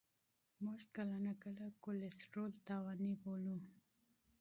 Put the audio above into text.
موږ کله ناکله کلسترول تاواني بولو.